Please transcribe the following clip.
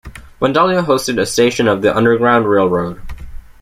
Vandalia hosted a station of the Underground Railroad.